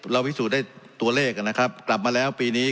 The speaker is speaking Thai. เราวิสูจน์ได้ตัวเล่กฯ่นนะครับกลับมาแล้วปีนี้